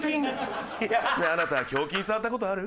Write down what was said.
ねえあなた胸筋触った事ある？